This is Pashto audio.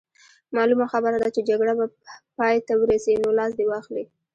معلومه خبره ده چې جګړه به پای ته ورسي، نو لاس دې واخلي.